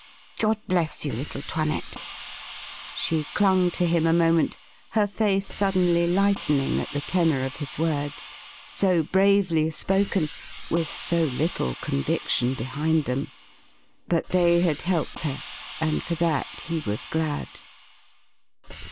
God bless you, little 'Toinette." She clung to him a moment, her face suddenly lightening at the tenor of his words so bravely spoken, with so little conviction behind them. But they had helped her, and for that he was glad.